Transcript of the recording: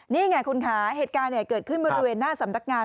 นี่ไงคุณคะเหตุการณ์เกิดขึ้นบริเวณหน้าสำนักงาน